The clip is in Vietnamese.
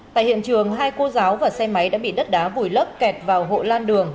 tại hiện trường hai cô giáo và xe máy đã bị đất đá vùi lấp kẹt vào hộ lan đường